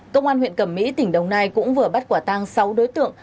công an huyện cẩm mỹ tỉnh đồng nai cũng vừa bắt quả tang sáu đối tượng